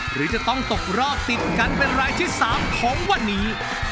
หรือจะต้องตกรอบติดกันเป็นรายที่๓ของวันนี้